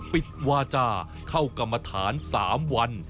ปิดวาจารย์เข้ากรรมฐานสามวัน